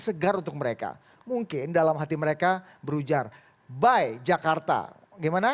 segar untuk mereka mungkin dalam hati mereka berujar by jakarta gimana